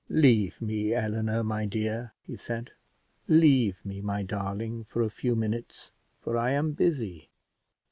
"Leave me, Eleanor, my dear," he said; "leave me, my darling, for a few minutes, for I am busy."